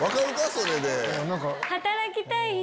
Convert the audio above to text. それで。